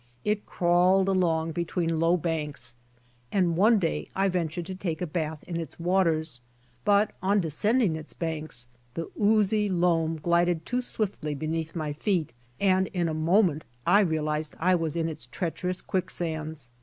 It crawled along between low banks, and one day I ventured to take a batli in its waters, but on descending its banks, the oozy loam glided too swiftly beneath my feet and in a moment I realized I was in its treacherous quick sands.